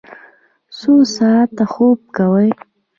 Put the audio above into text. څو ساعته خوب کوئ؟